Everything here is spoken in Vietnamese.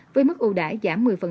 với mức ưu đãi giảm một mươi